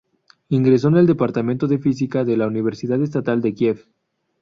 Ingresó en el Departamento de Física de la Universidad Estatal de Kiev.